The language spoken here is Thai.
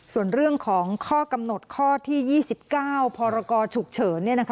ส่วนเรื่องของข้อกำหนดข้อที่๒๙พรกชุกเฉิน